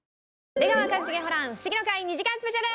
『出川一茂ホラン☆フシギの会』２時間スペシャル！